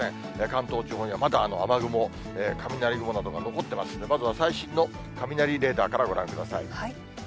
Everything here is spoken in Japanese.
関東地方にはまだ雨雲、雷雲などが残ってますんで、まずは最新の雷レーダーからご覧ください。